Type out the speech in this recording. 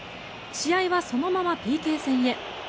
試合はそのままＰＫ戦へ。